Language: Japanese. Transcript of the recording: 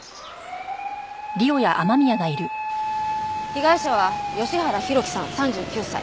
被害者は吉原弘樹さん３９歳。